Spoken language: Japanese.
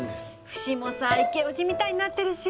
フシもさイケオジみたいになってるし。